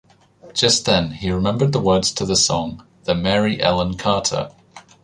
Just then he remembered the words to the song "The Mary Ellen Carter".